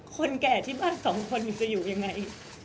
คนแก่ที่บ้านสองคนจะอยู่ยังไง